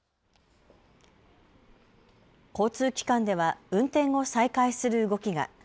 交通機関では運転を再開する動きが。